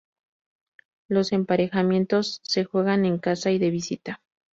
Los emparejamientos se juegan en casa y de visita.